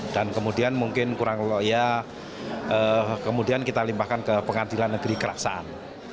dan kemudian mungkin kurang loya kemudian kita limpahkan ke pengadilan negeri keraksaan